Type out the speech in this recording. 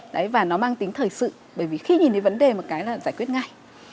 đấy và nó mang tính thời sự bởi vì khi nhìn đến vấn đề một cái là giải quyết ngay